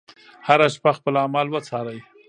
هره شپه خپل اعمال وڅارئ.